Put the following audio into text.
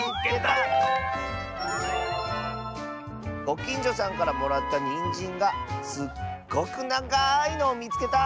「ごきんじょさんからもらったにんじんがすっごくながいのをみつけた！」。